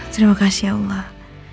terima kasih ya allah